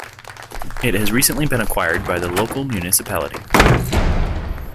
It has recently been acquired by the local municipality.